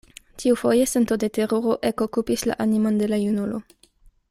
Tiufoje sento de teruro ekokupis la animon de la junulo.